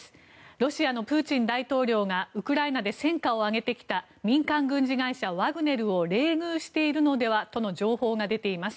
ロシアのプーチン大統領がウクライナで戦果を上げてきた民間軍事会社ワグネルを冷遇しているのではとの情報が出ています。